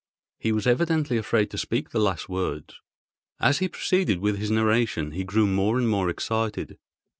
He was evidently afraid to speak the last words. As he proceeded with his narration, he grew more and more excited.